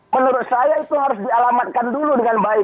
menurut saya itu harus dialamatkan dulu dengan baik